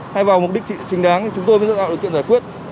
hay vào mục đích trình đáng thì chúng tôi mới tạo được kiện giải quyết